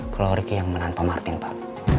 keluarga riki yang menahan pak martin pak